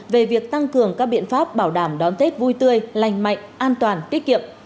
về việc tăng cường các biện pháp bảo đảm đón tết vui tươi lành mạnh an toàn tiết kiệm